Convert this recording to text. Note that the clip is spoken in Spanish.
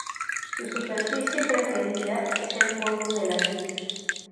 Su superficie preferida es el polvo de ladrillo.